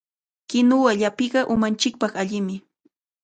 Kinuwa llapiqa umanchikpaq allimi.